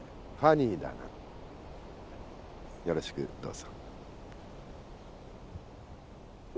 よろしくどうぞ。